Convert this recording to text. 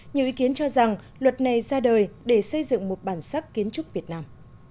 nhiều ý kiến cho rằng luật này ra đời để xây dựng một bản sắc kiến trúc việt nam